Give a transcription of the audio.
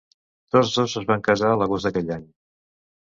Tots dos es van casar l'agost d'aquell any.